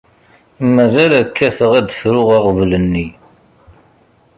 Mazal kkateɣ ad d-fruɣ aɣbel-nni.